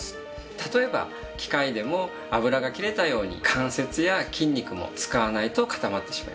例えば機械でも油が切れたように関節や筋肉も使わないと固まってしまいます。